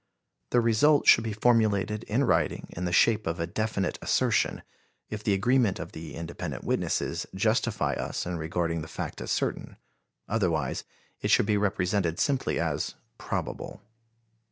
The result should be formulated in writing in the shape of a definite assertion, if the agreement of the independent witnesses justify us in regarding the fact as certain; otherwise it should be represented simply as probable.